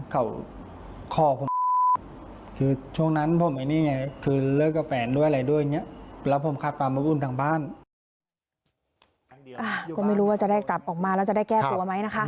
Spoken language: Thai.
ก็ไม่รู้ว่าจะได้กลับออกมาแล้วจะได้แก้ตัวไหมนะคะ